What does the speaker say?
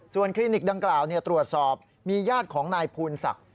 คลินิกดังกล่าวตรวจสอบมีญาติของนายภูลศักดิ์